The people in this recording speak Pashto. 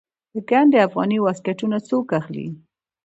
د ګنډ افغاني واسکټونه څوک اخلي؟